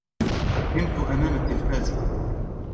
نمتُ أمام التلفاز.